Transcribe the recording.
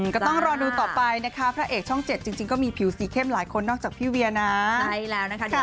ก็ต้องรอดูต่อไปนะคะพระเอกช่องเจ็ดจริงจริงก็มีผิวสีเข้มหลายคนนอกจากพี่เวียนะ